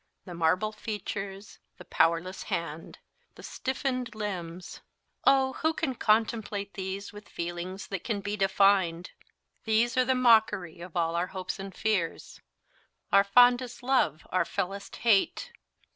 The marble features the powerless hand the stiffened limbs oh! who can contemplate these with feelings that can be defined? These are the mockery of all our hopes and fears, our fondest love our fellest hate.